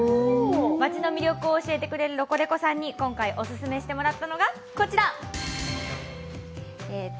町の魅力を教えてくれるロコレコさんに今回お勧めしてもらったのがこちら！